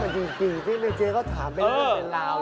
เอาที่มันจริงที่เจ๊เขาถามไปแล้ว